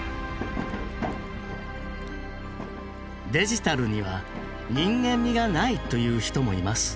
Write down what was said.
デジタルには人間味がないという人もいます。